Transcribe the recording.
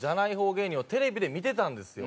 芸人をテレビで見てたんですよ。